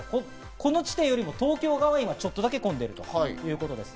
この地点よりも東京側が今ちょっとだけ混んでるということです。